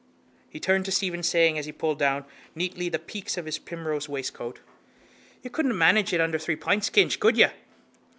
He turned to Stephen, saying, as he pulled down neatly the peaks of his primrose waistcoat: —You couldn't manage it under three pints, Kinch, could you?